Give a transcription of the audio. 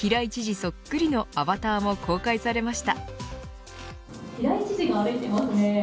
そっくりのアバターも公開されました。